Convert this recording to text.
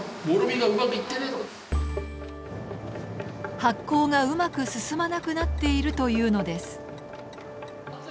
発酵がうまく進まなくなっているというのです。